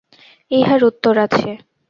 ইহার উত্তর আছে।